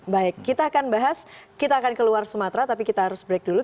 baik kita akan bahas kita akan keluar sumatera tapi kita harus break dulu